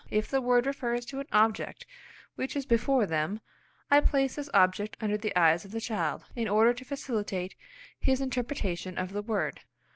If the word refers to an object which is before them, I place this object under the eyes of the child, in order to facilitate his interpretation of the word.